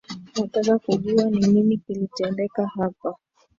Nataka kujua ni nini kilitendeka hapa